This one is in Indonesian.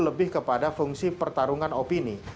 lebih kepada fungsi pertarungan opini